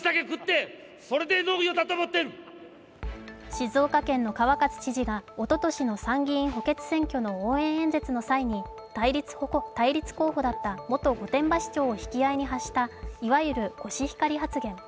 静岡県の川勝知事がおととしの参議院補欠選挙の応援演説の際に対立候補だった元御殿場市長を引き合いに発したいわゆるコシヒカリ発言。